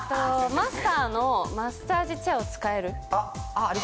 マスターのマッサージチェアを使える。